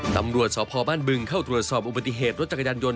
ตำรวจสพบ้านบึงเข้าตรวจสอบอุบัติเหตุรถจักรยานยนต